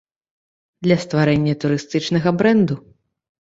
Для стварэння турыстычнага брэнду.